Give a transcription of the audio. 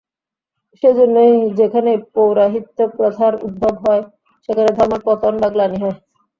সেই জন্যই যেখানে পৌরোহিত্য-প্রথার উদ্ভব হয়, সেখানে ধর্মের পতন বা গ্লানি হয়।